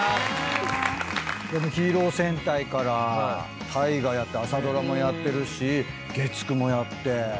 ヒーロー戦隊から大河やって朝ドラもやってるし月９もやって。